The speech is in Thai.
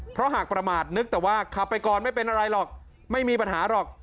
เพราะหากประมาทนึกแต่ว่าขับไปก่อนไม่เป็นอะไรหรอกไม่มีปัญหาหรอก